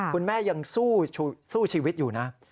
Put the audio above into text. คุณแม่ยังสู้ชีวิตอยู่นะ